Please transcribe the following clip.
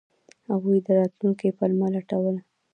هغوی د راتلونکي پلمه لټوله.